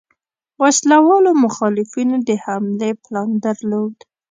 وسله والو مخالفینو د حملې پلان درلود.